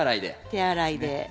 手洗いで。